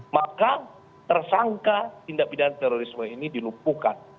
maka tersangka tindak pindahan terorisme ini dilupukan